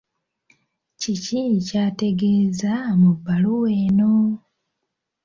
Kiki ky'ategeeza mu bbaluwa eno?